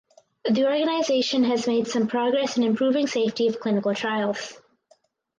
The organization has made some progress in improving safety of clinical trials.